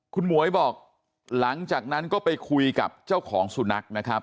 คุณหมวยบอกหลังจากนั้นก็ไปคุยกับเจ้าของสุนัขนะครับ